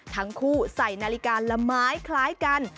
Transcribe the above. ทั้งคู่ใส่นาฬิกาละไม้คล้ายกัน